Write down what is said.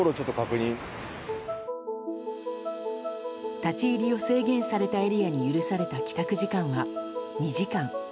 立ち入りを制限されたエリアに許された帰宅時間は２時間。